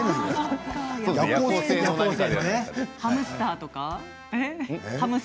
ハムスターとか？